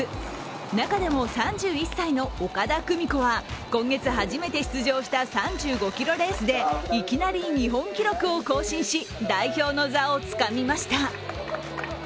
中でも３１歳の岡田久美子は今月初めて出場した３５ｋｍレースでいきなり日本記録を更新し代表の座をつかみました。